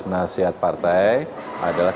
penasihat partai adalah